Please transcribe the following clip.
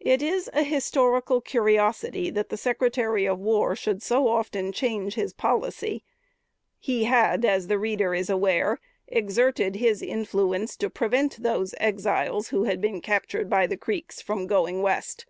It is a historical curiosity, that the Secretary of War should so often change his policy. He had, as the reader is aware, exerted his influence to prevent those Exiles, who had been captured by the Creeks, from going West.